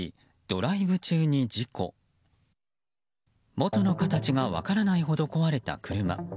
元の形が分からないほど壊れた車。